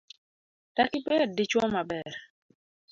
Dak ibed dichuo maber?